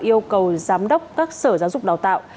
yêu cầu giám đốc các sở giáo dục đào tạo